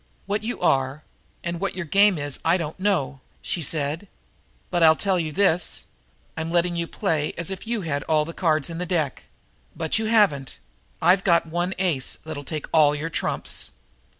"What you are, and what your game is I don't know," she said. "But I'll tell you this: I'm letting you play as if you had all the cards in the deck. But you haven't. I've got one ace that'll take all your trumps.